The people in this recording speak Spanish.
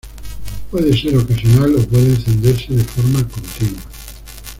Puede ser ocasional o puede encenderse de forma continua.